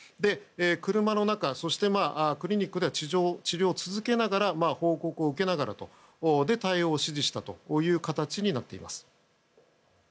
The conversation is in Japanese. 車の中、そしてクリニックでは治療を受けながら報告を受けながら対応を指示したという形になっています。